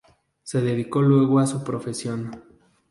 Se dedicó luego a su profesión.